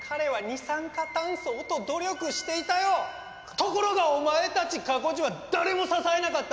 ところがお前たち過去人は誰も支えなかった。